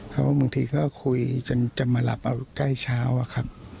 เขาบางทีก็คุยจนจะมาหลับเอาใกล้เช้าอะครับ